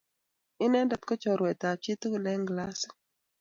Inendet ko chorwet ab chi tukul eng klasit